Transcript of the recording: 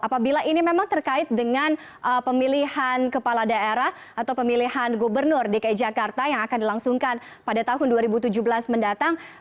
apabila ini memang terkait dengan pemilihan kepala daerah atau pemilihan gubernur dki jakarta yang akan dilangsungkan pada tahun dua ribu tujuh belas mendatang